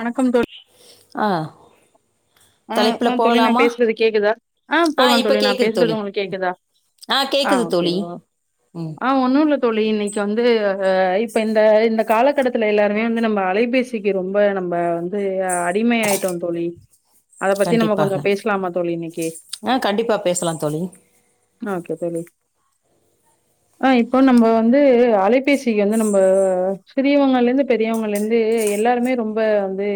வணக்கம் தோழி ஆ ஆ தலைப்புல ஆ தோழி நா போகலாமா பேசுறது கேக்குதா ஆ போலாம் இப்போ தோழி நா கேட்குது பேசுறது தோழி உங்களுக்கு கேக்குதா ஆ கேட்குது ஓகே தோழி ம் ஆ ஒன்னுல்ல தோழி இன்னைக்கி வந்து இப்ப இந்த இந்த காலகட்டத்துல எல்லாருமே வந்து நம்ம அலைபேசிக்கு ரொம்ப நம்ம வந்து அடிமையாயிட்டோ தோழி அத பத்தி நம்ம கொஞ்சொ கண்டிப்பாக பேசலாமா தோழி இன்னைக்கி ஆ கண்டிப்பாக பேசலாம் தோழி ஆ இப்போ நம்ம வந்து அலைபேசிக்கு வந்து நம்ம சிறியவங்கலருந்து பெரியவங்கலருந்து எல்லாருமே ரொம்ப வந்து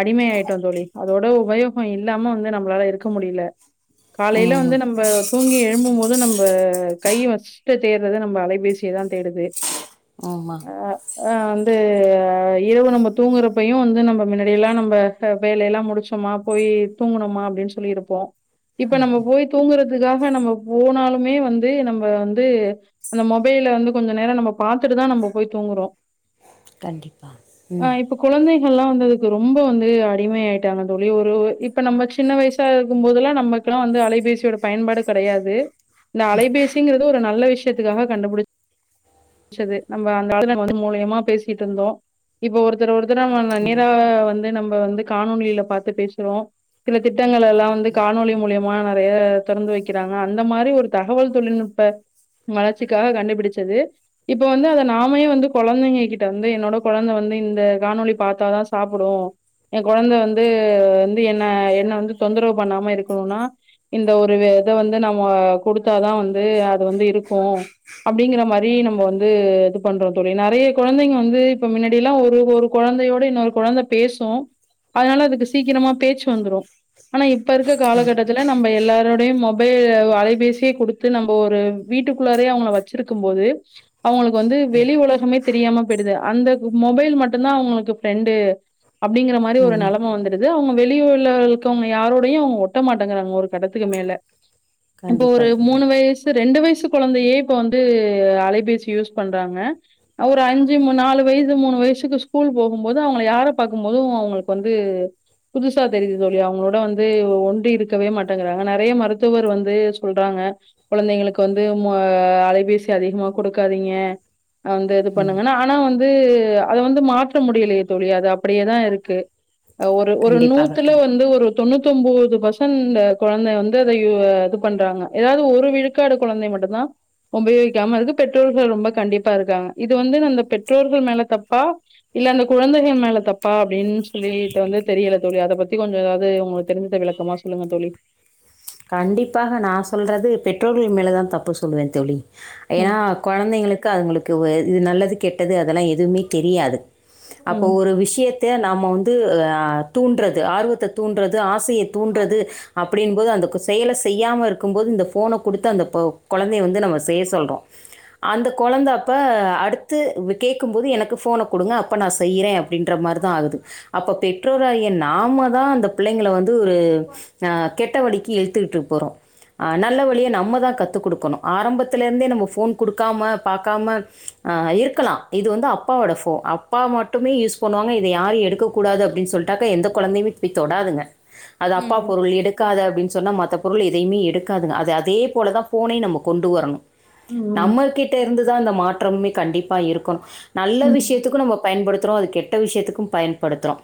அடிமையாயிட்டோ தோழி அதோட உபயோகோ இல்லாம வந்து நம்மளால இருக்க முடியல காலையில வந்து ம் நம்ம தூங்கி எழும்பும் போது நம்ம கை பஸ்ட் தேடுறது நம்ம அலைபேசிய தா தேடுது ஆமா ஆ வந்து இரவு நம்ம தூங்குறப்பையு வந்து நம்ம மின்னாடியலாம் நம்ம வேலையெல்லா முடிச்சோமா போய் தூங்கணுமா அப்டின்னு சொல்லிருப்போ இப்ப நம்ம போய் தூங்குறதுகாக நம்ப போனாலுமே வந்து நம்ம வந்து அந்த மொபைல்ல வந்து கொஞ்ச நேரோ நம்ம பாத்துட்டுதா நம்ம போய் தூங்குறோ கண்டிப்பா ம் லாம் வந்து அது ரொம்ப வந்து அடிமை ஆ [unintelligible] வெளியூரு இப்ப நம்ம சின்ன வயசாயிருக்கு போதெல்லா நமக்குலா வந்து அலைபேசியோட பயன்பாடு கெடையாது இந்த அலைபேசின்றதுக ஒரு நல்ல விஷயத்துக்காக கண்டுபிடிச்சது நம்ம [unintelligible] மூலியமா பேசிட்டு இருந்தோ இப்ப ஒருத்தர் ஒருத்தரா ஆமாம் நேராக வந்து நம்ம வந்து காணொலிட்ட பாத்து பேசுரோ சில திட்டங்கல்லாலா வந்து காணொலி மூலியமா நெறைய தொறந்து வெக்கிறாங்க அந்த மாரி ஒரு தகவல் தொழில்நுட்ப வளர்ச்சிக்காக கண்டுபிடிச்சது இப்ப வந்து அத நாமே வந்து கொழந்தைங்க கிட்ட வந்தும் என்னோட கொழந்த வந்து இந்த காணொலி பாத்ததா சாப்டூ என் கொழந்த வந்து வந்து வந்து என்ன என்ன வந்து தொந்தரவு பண்ணாம இருக்கணும்னா இந்த ஒரு இதை வந்து நம்ம கொடுத்தாதா வந்து அது வந்து இருக்கு அப்டிங்கிற மாரி நம்ம வந்து இது பண்றோ தோழி நெறைய குழந்தைங்க வந்து இப்ப மின்னாடில்லாம் ஒரு ஒரு கொழந்தயோட இன்னொரு குழந்தை பேசு அதனால அதுக்கு சீக்கிரமா பேச்சு வந்துரூ ஆனா இப் இப்ப இருக்க கண்டிப்பாக காலகட்டத்தில நம்ம எல்லார் உங்களுடைய மொபைல் அலைபேசியே குடுத்து நம்ம ஒரு வீட்டுக்குள்ளரே அவங்க வச்சிருக்கு போது அவங்களுக்கு வந்து வெளி ஒலகமே தெரியாம போயிடுது அந்த மொபைல் மட்டுந்தா அவங்களுக்கு ப்ரெண்டு அப்படிங்கிற மாரி ஒரு ம் வந்துருது அவங்க வெளியுர்ல இருக்கவங்க யாரோடையு அவங்க ஒட்ட மாட்டேங்கறாங்க ஒரு கட்டத்துக்கு மேல இப்ப ஒரு கண்டிப்பாக தோழி மூணு வயசு ரெண்டு வயசு குழந்தையே இப்ப வந்து அலைபேசி யூஸ் பண்றாங்க ஒரு அஞ்சு மு நாலு வயசு மூணு வயசுக்கு ஸ்கூல் போகும்போது அவங்க யார பாக்கும் போது அவங்கள் வந்து புதுசா தெரியுது தோழி அவங்களோட வந்து ஒன்றி இருக்கவே மாட்டேங்கறாங்க நெறைய மருத்துவர் வந்து சொல்றாங்க குழந்தைங்களுக்கு வந்து ஆஹ் அலைபேசி அதிகமா கொடுக்காதீங்க வந்து இது ம் பண்ணுங்கன்னா ஆனா வந்து வந்து அத வந்து மாற்ற முடியலையே தோழி அது அப்படியேதாயிருக்கு ஒரு ஒரு கண்டிப்பாக நூத்துல தோழி வந்து ஒரு தொண்ணூத்தொம்போது பர்சன்ட் குழந்தை வந்து அதை இது பண்றாங்க ஏதாவது ஒரு விழுக்காடு குழந்தை மட்டும்தான் உபயோகிகாம இருக்கு பெற்றோர்கள் ரொம்ப கண்டிப்பா இருக்காங்க இது வந்து அந்த பெற்றோர்கள் மேல தப்பா இல்ல அந்த குழந்தைகள் மேல தப்பா அப்படின் சொ சொல்லிட்டு வந்து தெரியல தோழி அதை பத்தி கொஞ்சம் ஏதாவது உங்களுக்கு தெரிஞ்சத விளக்கமா சொல்லுங்க தோழி கண்டிப்பாக நா சொல்றது பெற்றோர்கள் மேலதா தப்பு சொல்லுவே தோழி ஏன்னா ம். கொழந்தைங்களுக்கு அதுங்களுக்கு இது நல்லதுக்கு கெட்டது அதெல்லா ஏ துமே தெரியாது அப்போ ம். ஒரு விஷயத் து நாம வந்து ஆஹ் தூன்றது ஆர்வத்த தூன்றது ஆ ஆசைய தூன்றது அப்படின்போது அந்த கு செயல செய்யாம இருக்கும்போது இந்த போனை கொடுத்து அந்த கொழந்தைய வந்து நம்ம செய்ய சொல்றோ அந்த கொழந்தை அப்ப அடுத்து கேட்கும்போது எனக்கு போனை கொடுங்க அப்ப நா செய்யறே அப்டின்ற மாரிதா ஆகுது அப்ப பெற்றோர் ஆகிய நாம தா அந்த பிள்ளைங்களை வந்து து ஒரு ஆஹ் கெட்டவடிக்கி எ த்துட்டு போறோ நல்ல வழியை நம்மதான் கத்து குடுக்கணு ஆரம்பத்தில இருந்தே நம்ம போன் குடுக்காம பாக்காம ஆஹ் இருக்கலா இது வந்து அப் அப்பாவோட ஃபோன் அப்பா மட்டுமே யூஸ் பண்ணுவாங்க இத யாரு எடுக்கூடாது அப்படின் சொல்லிட்டாக்க எந்த கொழந்தையுமே இப்படி தொடாதுங்க அது அப்பா ம். ம். பொருள் எடுக்காத அப்படின் சொன்ன மத் த பொருள் எதையுமே எடுக்காதுங்க அது அது அதே போல தா போனை நமக் கொண்டு வரணும் ம். நம்ம கிட்ட இருந்துதா அந்த மாற்றம்மே கண்டிப்பா இருக்கு நல்ல ம். விஷயத்துக்கும் நம்ம பயன்படுத் த்றோ அது கெட்ட விஷயத்துக்கு பயன்படுத்துரோ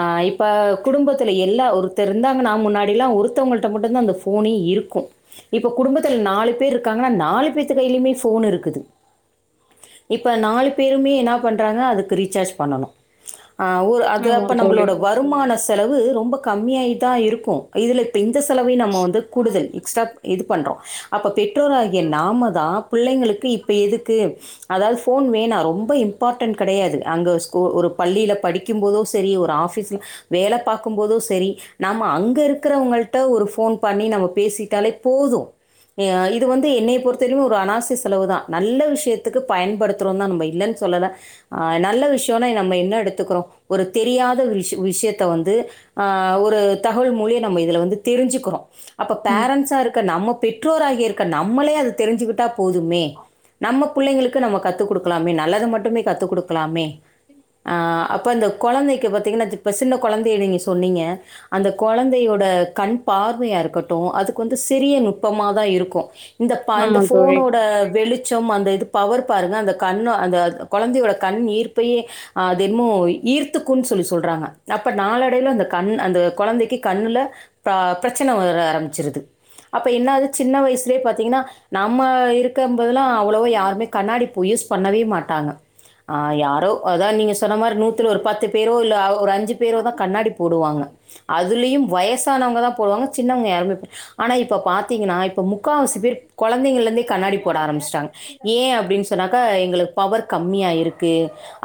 ஆஹ் இப்ப குடும்பத்திலே எல்லா ஒருத்தர் இருந்தாங்ன்னா முன்னாடிலா ஒருத்தவங்கள்டா மட்டுந்தா அந்த போ போனே இருக்கும் இப்ப குடும்பத்தில நாலு பேர் இருக்காங்க நாலு நாலுபேர்த்து கையிலயுமே போன் இருக்குது இப்ப நாலு பேருமே என பண்றாங்க அதுக்கு ரீசார்ஜ் பண்ணனு ஆஹ் ஓ அது ஆமா அப்ப தோழி. நம்மளோட வருமானஸ் செலவு ரொம்ப கம்மியாய் தான் இருக்கும் இதுல இப்ப இந்த செலவயும் நம்ம வந் கூடுதல் எக்ஸ்ட்ரா இது பண்றோம் அப்போ பெற் றோர்றாகிய நாம தா பிள்ளைங்களுக்கு இப்போ எதுக்கு அதாவது ஃபோன் வேணாம் ரொம்ப இம்பார்ட்டன்ட் கிடையாது அங்கே ஸ்கூ ஒரு பள்ளியில் படிக்கும்போதும் சேரி ஒரு ஆஃபீஸில வேலை பாக்கும்போதும் சேரி நாம் அங்கே இருக்கிறவங்கள்ட ஒரு ஃபோன் பண்ணி நம்ம பேசிட்டாலே போதும் ஆஹ் இது வந்து என்ன பொறுத்தரை ஒரு அணாவசிய செலவுதான் நல்ல விஷயத்துக்கு பயன்படுத்துறோம் தான் நம்ம இல்லைன்னு சொல்லல ஆஹ் நல்ல விஷயம்னா நம்ம என்ன எடுத்துக்கிறோம் ஒரு தெரியாத விஷ விஷயத்த வந்து ஆஹ் ஒரு தகவல் மொழியை நம்ம இதில வந்து தெரிஞ்சுக்கிறோம் அப்ப ம். பேரண்ட்ஸா இருக்க நம்ம பெற்றோர் ஆகி இருக் க நம்மளே அது தெரிஞ்சுக்கிட்டா போதுமே நம்ம பிள்ளைங்களுக்கு நம்ம கத்துக் கொடுக்கலாமே நல்லது மட்டுமே கத்து கொடுக்கலாமே அஹ் ப இந்த கொழந்தைக்கு பாத்தீங்கன்னாத்துப் ப சின்ன கொழந்தைய நீங்க சொன்னீங்க அந்த கொழந்தையோட கண் பார்வையாருக் கட்டூ அதுக்கு வந்து சிறிய நுட்பமா தா இருக்கூ இந்த ப இந்த ஆமா தோழி. ஃபோனோட வெளு ச்சம் அந்த இது பவர் பாருங்க அந்த கண்ண அந்த கொழந்தையோட கண் ஈர்ப் பயே அது என்மோ ஈர்த்துக்குன் சொல்லிஸ் சொல்றாங்க அப்ப நாளடைவுல அந்த கண் அந்த கொழந்தைக்கு கண்ணுல பா பிரச்சன வ ர ஆரம்மிச்சுருது அப்ப என்னாது சின்ன வயசுலே பாத்தீங்கனா நம்ம இருக் கம்பதலா அவ்ளோ யாருமே கண்ணாடி பொ யூஸ் பண்ணவே மாட் டாங்க ஆ யாரோ அதா நீங்கஸ் சொன்ன மாரி நூத்துல ஒரு பத் து பேரோ இல்ல ஒரு அஞ்சு பேரோ தா கண்ணாடி போடுவாங்க அதுலெயும் வயசானவங்க தா போடுவாங்க சின்னவங்க யாருமே ஆனா இப்ப பாத்தீங்கன்னா இப் ப முக்காவாசி பேரு கொழந்தைங்கள்லந்தே கண்ணாடி போட ஆரம்மிச்டாங்க ஏ அப்புடின் சொன்னாக்கா எங்களுக் பவர் கம் மியா இருக்கு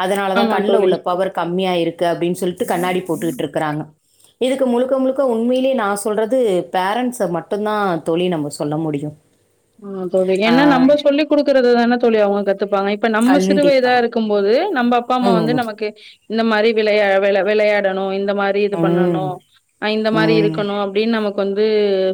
அதனால தா ஆமா கண்ல தோழி. உள்ள பவரு கம்மியா இருக் க அப்டீன் சொல்ட்டு கண்ணாடி போட்டுக்குட்டு இருக்குறாங்க இதுக்கு முழுக்க முழுக்க உண்மைலே நாசு சொல்றது பேரன்ட்ஸ மட்டுந்தா தோழி நம்ம சொல்ல முடியு ஆ தோழி ஏனா நம்ப சொல்லி குடுக்குறது தானே தோழி அவுங்க கத்துப்பாங்க ப நம்ம கண்டிப்பா. சிறுவயதாருக்கும் போது நம்ப அப்பா அம்மா வந்து ம். நமக்கு இந்த மாரி விளையா வெள வெளயாடணு இந் இந்த மாரி இது ம். பண்ணணு ஆ இந்த மாரி ம். இருக்கணு அப்டீன் நமக் வந்து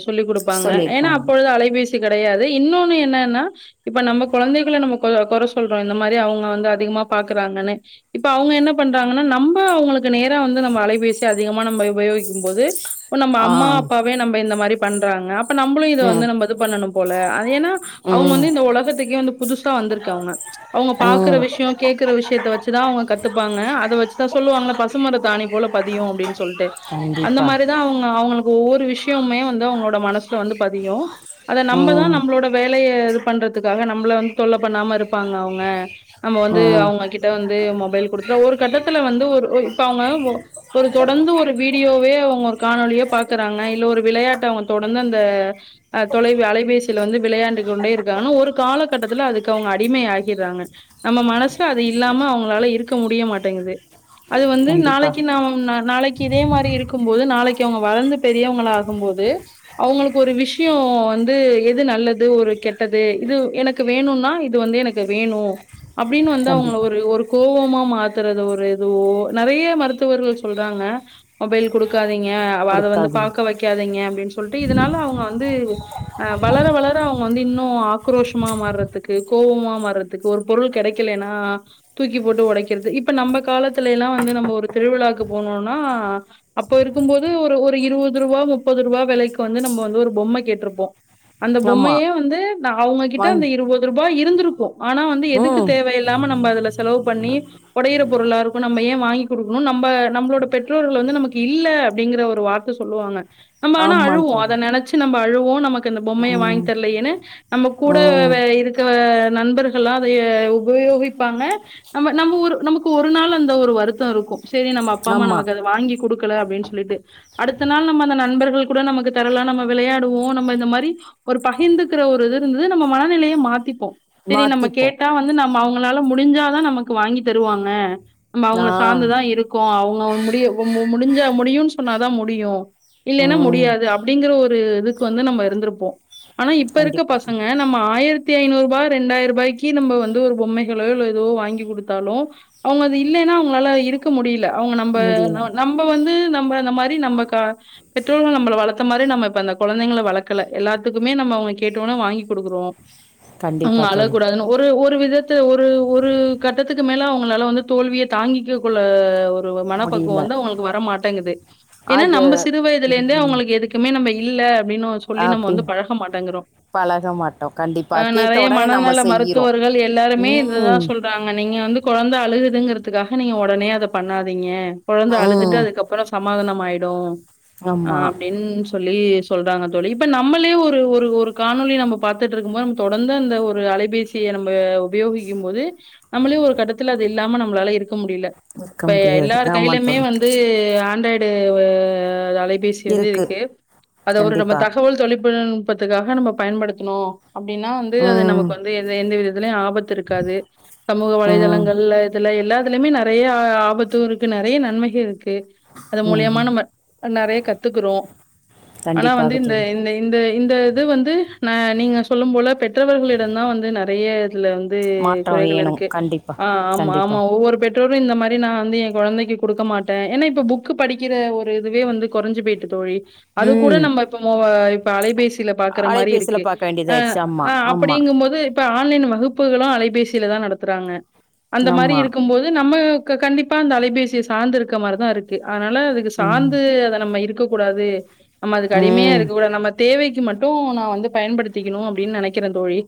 சொல்லி குடுப்பாங்க ஏன்னா சொல்லிருப்பாங்க அப்பொழுது அலைபேசி சி கெடையாது இன்னோன்னு என்னன்னா இப்ப நம்ம கொழந்தைகள நம்ம கொ கொற சொல்றோ இந்த மாரி அவுங்க வந்து அதிகமா பாக்குறாங்கன்னு இப்ப அவுங்க என்ன பண்றாங்கன்னா நம்ப அவுங்களுக்கு நேரா வந்து நம்ம அலைபேசி அதிகமா நம்ம உபயோகிக்கும் போது ப நம்ம ஆ அம்மா அப்பாவே நம்ப இந்த மாரி பண்றாங்க ப நம்புளு இத வந்து ம் நம்ப பண்ணணும் போல அ ஏன்னா அவுங்க ம் வந்து இந்த ஒலகத்துக்கே வந்து புதுசா வந்துருக்கவுங்க அவுங்க பாக்குற ம் விஷ்யோ கேக்குற விஷ்யத்த வச்சுதா அவுங்க கத்துப்பாங்க அத வச்சுதா சொல்லுவாங்கள பசுமரத்தாணி போல பதியு அப்டின் சொல்ட்டு அந்த கண்டிப்பா மாரிதா அவுங்க அவுங்களுக் ஒவ்வொ விஷ்யொம்மே வந்து அவுங்ளோட மனசுல வந்து பதியும் நம்ம தான் ம் நம்மளோட வேலையை இது பண்றதுக்காக நம்மள வந்து தொல்ல பண்ணாம இருப்ப ங்க அவங்க நம்ம வந்து ம் அவங்ககிட்ட வந்து மொபைல் குடுத்துல ஒரு கட்டத்துல வந்து ஒரு இப்ப அவங்க ஒரு தொடர்ந்து ஒரு வீடியோவே அவங்க ஒரு காணொலியே பாக்குறாங்க இல்ல ஒரு விளையாட்டு அவங்க தொடர்ந்து அந்த தொலை அலைபேசியில் வந்து விளையாண்டு கொண்டே இருக்க ஒரு காலகட்டத்தில் அதுக்கு அவங்க அடிமை ஆகிறாங்க நம்ம மனசு அது இல்லாம அவங்களால இருக்க முடிய மாட்ட ங்குது அது வந்து கண்டிப்பா நாளைக்கு நாம நாளைக்கு இதே மாரி இருக்கும் போது நாளைக்கு அவங்க வளர்ந்து பெரியவங்கள போது அவங்களுக் ஒரு விஷயம் வந்து எது நல்லது ஒரு கெட்டது இது எனக்கு வேணும்னா இது வந்து எனக்கு வேணும் அப்படின்னு வந்து அவங்க கண்டிப்பா ஒரு ஒரு கோபமா மாத்துறது ஒரு இதுவோ நெறைய மருத்துவர்கள் சொல்றாங்க மொபைல் கொடுக்காத அதை வந்து குடுக்காதீங்க பாக்க வைக்காதீங்க அப்படின்னு சொல்லிட்டு இதனால அவங்க வந்து வளர வளர அவங்க வந்து இன்னும் ஆக்ரோஷமா மாறுறதுக்கு கோபமா வர்றதுக்கு ஒரு பொருள் கிடைக்கலன்னா தூக்கி போட்டு உடைக்கிறது இப்ப நம்ம காலத்துல எல்லாம் வந்து நம்ம ஒரு திருவிழாக்கு போனோம்னா அப்ப இருக்கும் போது ஒரு ஒரு இருபது ரூபா முப்பது ரூபா விலைக்கு வந்து நம்ம வந்து ஒரு பொம்மை கேட்ருப்போம் அந்த ஆமா பொம்மையே வந்து அவங்ககிட்ட அந்த வாங்கி இருபது ரூபாய் இரு இருந்திருக்கும் ஆனா வந்து எதுக்கு ம் தேவையில்லாம நம்ப அதுல செலவு பண்ணி ஒடையிற பொருளா இருக்கும் நம்ம ஏன் வாங்கி் குடுக்கணு நம்ப நம்பளோட பெற்ற பெற்றோர்கள் வந்து நமக்கு இல்ல அப்டிங்கற ஒரு வார்த்த சொல்லுவாங்க நம்ம ஆனா ஆமா அழுவோ தோழி அதை நெனச்சி நம்ம அழுவோ போ நமக்கு க்கு அந்த பொம்மைய வாங்கி ம் தரலயேன்னு நம்ம கூட ம் இருக்கு நண்பர்கள்லா அதைய உபயோகிப்பாங்க நம்ம நம்ம ஒரு நமக்கு ஒரு நாள் அந்த ஒரு வருத்தம் இருக்கும் செரி நம்ப அப்பா அம்மா ஆமா நமக்கு அதை வாங்கி கொடுக்கல அப்படின்னு சொல்லிட்டு அடுத்த நாள் நம்ம அந்த நண்பர்கள் கூட நமக்கு தரலா நம்ம விளையாடுவோ நம்ம இந்த மாரி ப்டி ஒரு பகிர்ந்துக்கிற ஒரு இது இருந்தது நம்ம மனநிலைய மாத்திப்போம் செரி நம்ம மாத்திப்போ கேட்டா வந்து நம்ம அவங்க ளால முடிஞ்சாதான் நமக்கு வாங்கி தருவாங்க நம்ப ஆ அவுங்கள சாந்துதா இருக்கோ அவங் அவங் முடிய ஒம் ஒம் முடிஞ்சா முடியுன் சொன்னாதா முடியு இல்லேன்னா ம் முடியாது அப்டிங்கற ஒரு துக்கு வந்து நம்ம இருந்துருப் போ ஆனா இப்ப இருக்க கண்டிப்பா தோழி பசங்க நம்ம ஆயிரத் த்தே ஐநூறு ரூபா ரெண்டாயிர பாய்க்கு நம்ம வந்து ஒரு பொம்மேகளோ இல்ல ஏதோ வாங்கி குடுத்தாலு அவுங்க அது இல்லேன்னா அவுங்களால இருக்க முடியல அவுங்க நம்ப முடியல நவ நம்ப வந்து நம் நம்ப அந்த மாரி நம்ப க பெற்றோர்கள் நம்பள வளத்த மாரி நம்ம இப்ப அந்த கொழந்தேங்கள வளக்கல எல்லாத்துக்குமே நம்ம அவங்க கேட்டோனே வாங்கி கொடுக்குறோ கண்டிப்பா அவுங் அழ தோழி கூடாதுன்னு ஒரு ஒரு ஒரு விதத்த ஒரு ஒரு கட்டத்துக்கு மேல அவங்களால வந்து தோல்வியே தாங்கிக்க கொள்ள ஒ ஒரு ஓ மனப்பக்குவ முடியல வந்து அவங்களுக்கு வர மாட்டேங்குது ஏன்னா அது நம்ம சிறு வயதிலேந்தே ம் அவங்களுக்கு எதுக்குமே நம்ப இல்ல அப்டின்னோ சொல்லி நம்ம வந்து அப்டி பழக மாட்டேங்கிறோ பழக மாட்டோம் கண்டிப்பா அ கேட்ட நெறைய உடனே நம்ம மனநல செய்கிறோம் மருத்துவர்கள் எல்லாருமே இதுதா ம் சொல்றாங்கன் நீங்க வந்து கொழந்த அழுகுதுங்குறதுக்காக நீங்க உடனே அத பண்ணாதீங்க கொழந்தை அழுதுட்டு ம் அதுக்கப்புறோ சமாதானம் ஆயிடு அ ஆமா அப்படின் சொல் லி சொல்றாங்க தோழி இப்ப நம்மளே ஒரு ஒரு ஒரு காணொலி நம்ப பாத்துட்டு இருக்கும் போது நமக்கு தொடந்து அந்த ஒரு அலைபேசியே நம்ம உபயோகிக்கும் போது நம்மளே ஒரு கட்டத்துல அது இல்லாம நம்மளால இருக் க்க முடியல இருக்க இப்ப எ முடியாது எல்லார் ஆமா கையிலுமே தோழி வந்து ஆண்ட்ராய்ட் வே [unintelligible] அலை பேசி வந்து இருக்கு அத ஒரு கண்டிப்பா நமக் தொலிப்புநுன் நுட்பத்துக்காக நம்ம பயன்படுத்துணோ அப்டின்னா வந்து அத ம் நமக்கு வந்து எந்த எந்த வித இதுலேயு ஆப் வத் இருக்காது சமூக ம் வலைதளங்கள்ல இதுல எல்லா அதுலுயுமே நறையா ஆ ஆபத்து இருக்கு நறைய நன்மைக இருக்கு தே அது ம் மூலியமா ம். நம்ம அ நறைய கத்துக்குறோ ஆனா வந்து கண்டிப்பாக இந் த தோழி இந்த இந்து வே இந்த இது வந்து ந நீங்க சொல்லும் போல பெற்றவர்களிடந்தா வந்து நறைய துல வந்து மாற்றம் குறைகள் வேணும் இருக்கு கண்டிப்பா ஆ ஆமா கண்டிப்பா ஆமா ஒவ்வொரு பெற் தோழி இந்த மாரி நா வந்து ஏ கொழந்தைக்கு குடுக்க மாட்டே ஏன்னா இப்ப புக்கு படிக்கிற ஒரு இதுவே வந்து கொறஞ்சு போயிட்டு தோழி அது கூட ம் நம்ப ஓவ இப்ப அலைபேசியில பாக்கற மாரி இருக்கு அலைபேசியில் பார்க்க அ வேண்டியதாயிடுச்சு ஆமா ஆ ஆமா அப்புடிங்கும்மோது இப்ப ஆன்லைன் வகுப்புகளு அலைபேசியில தா நடத்துறாங்க அந்த மாரி ஆமா இருக்கும் போது நம்ம ம் க கண்டிப்பா அந்த அலைபேசியை சார்ந்து இருக்க மாரிதா இருக்கு அதனால அதுக்கு ம் சார்ந்து அத நம்ம இருக்கு கூடாது அம் கருமியா ம் இருக்க கூடாது நம்ம தேவைக்கு மட்டு நா வந்து பயன்படுத்திக்குணு அப்டின்னு நெனைக்கிறே தோழி.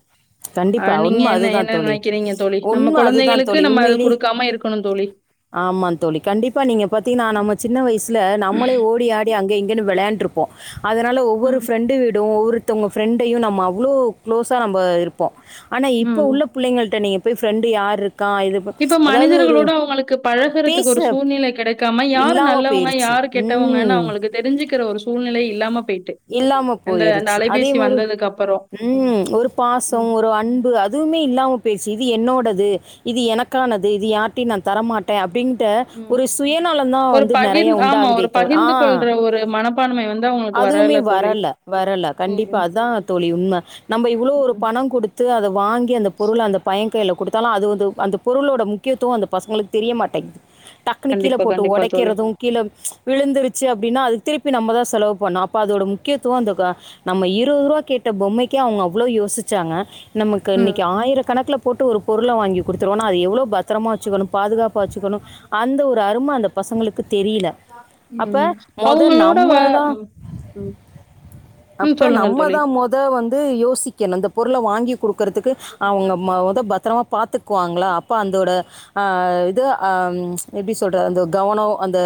அ கண்டிப்பா, நீங்க உண்ம என்ன அதுதா என்ன தோழி, நெனைக்கிறீங்க தோழி? நம்ம உண்ம அதுதா குழந்தைகளுக்கு தோழி, நம்ம அத உண்மையிலே குடுக்காம இருக்கணும் தோழி. ஆமா தோழி கண்டிப்பா நீங்க பாத்தீங்கன்னா ம். நம்ம சின்ன வயசுல நம்மளே ஓடி ஆடி அங்க இங் கனு விளையாண்ட்ருப்போ அதனால ஒவ்வொரு ம். ஃப்ரெண்டு வீடும் ஒவ்வொரு த்தவங்க ஃப்ரெண்டையு நம்ம அவ்ளோ க்ளோஸா நம்ம இருப் போ ஆனா இப்போ ம். உள்ள புள்ளைங்கள்ட்ட நீங்க போயி ஃப்ரெண்டு யாரு இரு இப்ப மனிதர்களோட அவங்களுக்கு பழகறதுக்கு பேச ஒரு சூழ்நிலை கெடைக்காம யாரு இல்லாம நல்லவங்க போயிருச்சு. யாரு கெட்டவங்கனு ம். அவங்களுக்கு தெரிஞ்சுக் கிற ஒரு சூழ்நிலை இல்லாம போயிட்டு. இல்லாம இந்த இந்த போயிருச்சு அதே அலைபேசி மாரி வந்ததுக்கு அப்புறம். ம் ஒரு பாசோ, ம். ஒரு அன்பு அதுவுமே இல்லாம போயிருச்சு இது என்னோடது இது எனக்கானது இது யார்ட்டயு நா தரமாட் ம் ஒரு வந்து நெறைய பகிர்ந்து ஆமா ஒரு உண்டாகுதே தவிர பகிர்ந்து ஆ. கொள்ற ஒரு மனப்பான்மை வந்து அவங்களுக்கு அதுவுமே வரல வரல ம், கண்டிப்பா ம், அத்தா தோழி உண்ம நம்ம இவ்ளோ ஒரு ம். பணங்குடு த்து அத வாங்கி அந்த பொருள அந்த பையங்கைல குடுத்தாலோ அதுவ் இதுவ் அந்த பொருளோட முக்கியத்துவோ அந்த பஸ்சங்ளுக் தெரியமாட்டை டக்குனு கீழ கண்டிப்பா, போட்டு கண்டிப்பா தோழி. ஒடைக்கிறது கீழம் ச்ச விழுந்துருச்சு அப்டினா அது திருப்பி நம்மதா செலவு பண்ணா ப அதோட முக்கியத்துவோ அந்த க நம்ம இருவது ரூபா கேட்ட பொம்மைக்கே அவுங்க அவ்ளோ யோசிச்சாங்க நமக்கு ம். இன்னிக்கு ஆயிர கணக்ல போட்டு ஒரு பொருள வாங்கி கொடுத்துருவோனா அத எவ்ளோ பத்தரமா வச்சுக்கணு பாதுகாப்பா வச்சுக்கணு அந்த ஒரு அரும அந்த பசங்களுக்கு தெரில அப்ப ம். மொத அவங்களோட வ நம்மதா ம், ம், ம். அப்ப சொல்லுங்கள் தோழி. நம்மதா மொத வந்து யோசிக்கணு இந்த பொரு மா வாங்கி குடுக்கறதுக்கு அவுங்க ம ஒத பத்தரமா பாத்துக்குவாங்களா அப்ப அந்தோட ஆ இது ஆம் ச்ச எப்டி சொல்றத அந்த ஒ கவனோவ் அந்த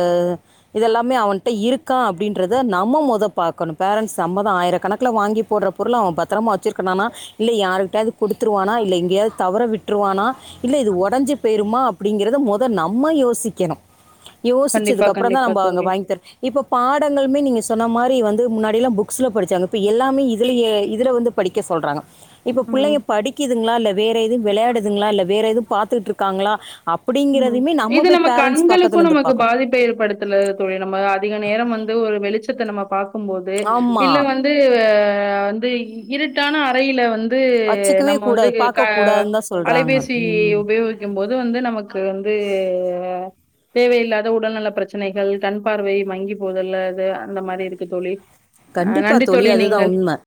இதெல்லாமே அவன்ட்ட இருக்கா அப்டின்றத நா மொத பாக்கணு பேரெண்ட்ஸ் நம்மதா ஆயிரக்கணக்கள வாங்கி போற பொருள அவ பத்தரமா வச்சிர்க்கடானா இல்லை யார்கிட்யாது கொடுத்துருவானா இல்லை எங்கேயாவது தவற விட்டுருவானா இல்ல இது ஒடஞ்சு போயிருமா அப்டிங்கிறது மொ த நம்ம யோசிக்கணும் யோசிச்சதுக் கண்டிப்பா, கப்பறந்தா கண்டிப்பா நம்ப அங்க தோழி. வாங்கி தருவ் இப்போ பாடங்கள்மே நீங்க சொன்ன மாரி வந்து முன்னாடிலா புக்ஸ்ல படிச்சாங்க இப் எல்லாமே இதிலயே இதில வந்து படிக்க சொல்றாங்க இப்ப புள்ளைய படிக்கிதுங்களா இல்ல வேற எதுவும் விளையாடுதுங்களா இல்லை வேற எதுவும் பார்த்துக்கிட்டு இருக்காங்களா உம் அப்படிங்கிறதையுமே இது போய் நம்ம பேரண்ட்ஸ் கண்களுக்கு பக்கத்துல இருந்து நமக்கு பார்க்கணும் பாதிப்ப ஏற்படுத்தல தோழி நம்ம அதிக நேரம் வந்து ஒரு வெளிச் டுத்தனமா பா க்கும் போது இல்ல ஆமாம் வந்து ஆ வந்து இருட்டான அறையில வந்து து வச்சுக்கவே நம்ம வந்து கூடாது ஆ பார்க்கக்கூடாதுன்னு தான் சொல்கிறாங்க அலைபேசி ம் உபயோகிக்கம் போது வந்த நமக்கு வந்து வா தேவையில்லாத உடல்நல பிரச்சனைகள் கண் பார்வை மங்கி போதல்ல அது அந்த மாரி இருக்கு தோழி அ கண்டிப்பா நன்றி தோழி அதுதா நீங்க உண்ம